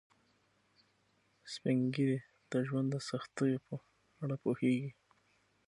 سپین ږیری د ژوند د سختیو په اړه پوهیږي